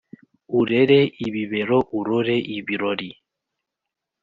urere ibibero urore ibirori